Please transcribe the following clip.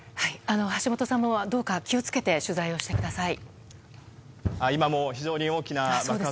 橋本さんもどうか気を付けて取材をしてください。